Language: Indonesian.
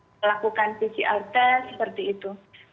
melakukan pcr test seperti itu